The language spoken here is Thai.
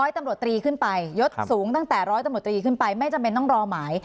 ตำรวจตรีขึ้นไปยดสูงตั้งแต่ร้อยตำรวจตรีขึ้นไปไม่จำเป็นต้องรอหมาย